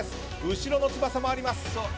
後ろの翼もあります。